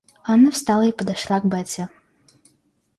Анна встала и подошла к Бетси.